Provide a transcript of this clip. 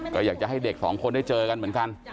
ก็อยากจะให้เด็กสองคนได้เจอกันเหมือนกัน